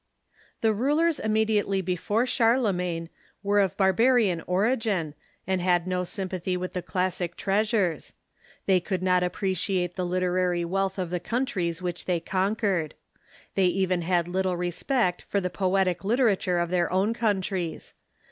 ] The rulers immediately before Charlemagne were of bar barian origin, and had no sympathy with the classic treasures. .^,, They could not appreciate the literary Avealth of Charlemagne s •'..'^•' Attention to the countries which they conquered. They even Learning ^^^^^ little respect for the poetic literature of their own countries.